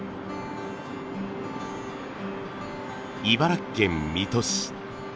茨城県水戸市。